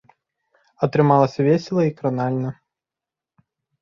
Атрымалася весела і кранальна.